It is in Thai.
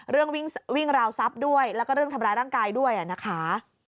เรื่องวิ่งราวทรัพย์ด้วยแล้วก็เรื่องทำร้ายร่างกายด้วยนะคะ